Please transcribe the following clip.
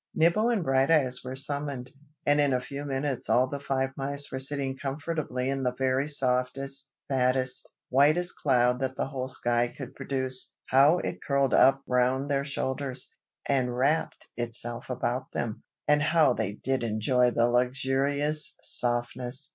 Nibble and Brighteyes were summoned; and in a few minutes all the five mice were sitting comfortably in the very softest, fattest, whitest cloud that the whole sky could produce. How it curled up round their shoulders, and wrapped itself about them! and how they did enjoy the luxurious softness!